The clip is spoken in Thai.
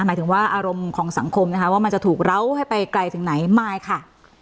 หมายถึงว่าอารมณ์ของสังคมนะคะว่ามันจะถูกเล้าให้ไปไกลถึงไหนมายค่ะ